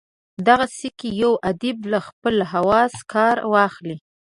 دغسي که یو ادیب له خپلو حواسو کار واخلي.